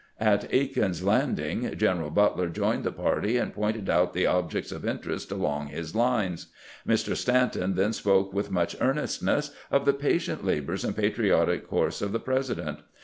'" At Aiken's Landing General Butler joined the party, and pointed out the objects of interest along his lines. Mr. Stanton then spoke with much earnestness of the patient labors and patriotic course of the President.